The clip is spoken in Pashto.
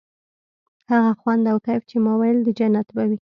هغه خوند او کيف چې ما ويل د جنت به وي.